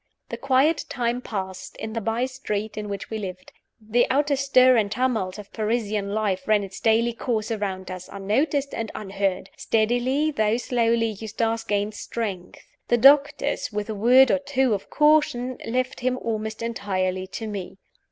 The quiet time passed, in the by street in which we lived. The outer stir and tumult of Parisian life ran its daily course around us, unnoticed and unheard. Steadily, though slowly, Eustace gained strength. The doctors, with a word or two of caution, left him almost entirely to me.